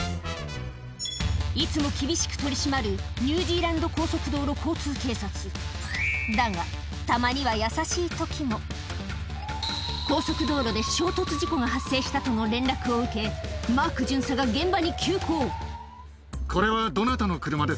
いつも厳しく取り締まるニュージーランド高速道路交通警察だがたまには高速道路で衝突事故が発生したとの連絡を受けマーク巡査がああ。